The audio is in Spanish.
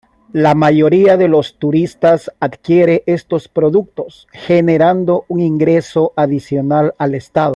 La mayoría de los turistas adquiere estos productos, generando un ingreso adicional al estado.